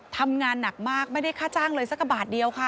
ทำงานหนักมากไม่ได้ค่าจ้างเลยสักกระบาทเดียวค่ะ